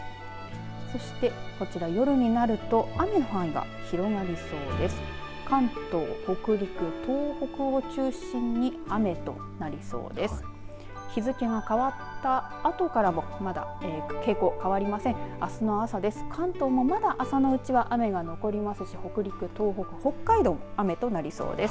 そして、こちら、夜になると雨の範囲が広がりそうです。